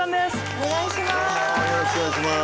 お願いします！